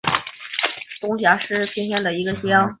王打卦乡是中国山东省德州市平原县下辖的一个乡。